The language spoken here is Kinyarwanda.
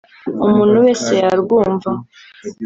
umuntu wese yarwumva